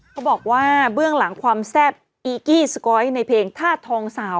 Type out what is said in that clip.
เขาบอกว่าเบื้องหลังความแซ่บอีกี้สก๊อยในเพลงธาตุทองสาว